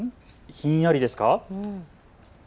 ひんやりですか。